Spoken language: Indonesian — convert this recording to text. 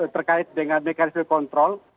terkait dengan mekanisme kontrol